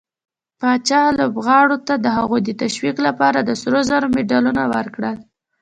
پاچا لوبغارو ته د هغوي د تشويق لپاره د سروزرو مډالونه ورکړل.